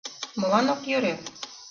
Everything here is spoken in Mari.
Молан ок йӧрӧ?